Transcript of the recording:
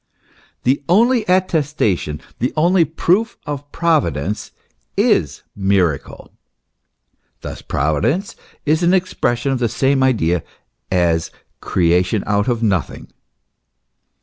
The only attestation, the only proof of Providence is miracle. Thus Providence is an ex pression of the same idea as creation out of nothing.